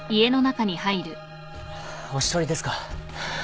お一人ですか。